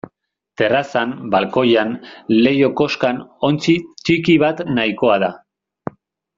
Terrazan, balkoian, leiho-koskan ontzi ttiki bat nahikoa da.